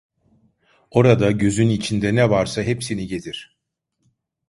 Orada, gözün içinde ne varsa hepsini getir!